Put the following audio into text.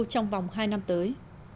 trong vòng hai năm tới